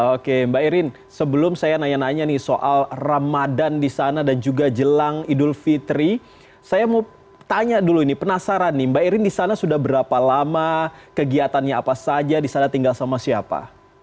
oke mbak irin sebelum saya nanya nanya nih soal ramadan di sana dan juga jelang idul fitri saya mau tanya dulu ini penasaran nih mbak irin di sana sudah berapa lama kegiatannya apa saja di sana tinggal sama siapa